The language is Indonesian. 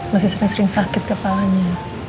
masih sering sering sakit kepalanya